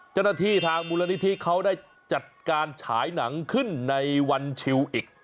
เจ้าหน้าที่ทางมูลนิธิเขาได้จัดการฉายหนังขึ้นในวันชิวอีก